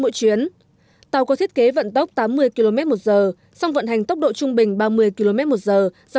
mỗi chuyến tàu có thiết kế vận tốc tám mươi km một giờ song vận hành tốc độ trung bình ba mươi km một giờ do